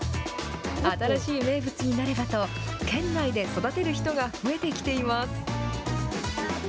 新しい名物になればと、県内で育てる人が増えてきています。